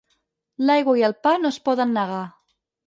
L'aigua i el pa no es poden negar.